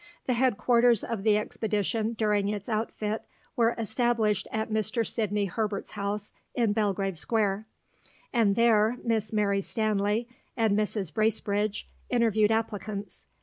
The headquarters of the expedition during its outfit were established at Mr. Sidney Herbert's house in Belgrave Square, and there Miss Mary Stanley and Mrs. Bracebridge interviewed applicants.